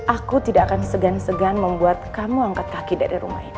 aku tidak akan segan segan membuat kamu angkat kaki dari rumah ini